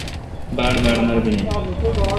باڑباڑ مربینی ۔